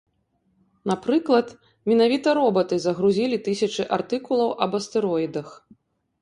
Напрыклад, менавіта робаты загрузілі тысячы артыкулаў аб астэроідах.